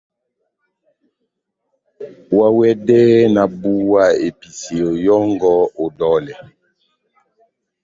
Oháwɛdɛhɛ nahábuwa episeyo yɔngɔ ó dɔlɛ !